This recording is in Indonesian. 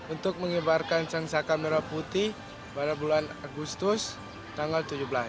untuk mengembarkan sang saka merah putih pada bulan agustus tanggal tujuh belas